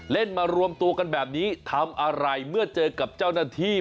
มารวมตัวกันแบบนี้ทำอะไรเมื่อเจอกับเจ้าหน้าที่